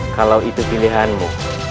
kalau itu pilihanmu